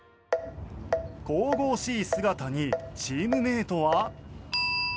神々しい姿にチームメートは。